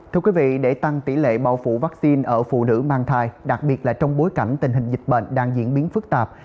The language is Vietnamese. thưa quý vị để tăng tỷ lệ bao phủ vaccine ở phụ nữ mang thai đặc biệt là trong bối cảnh tình hình dịch bệnh đang diễn biến phức tạp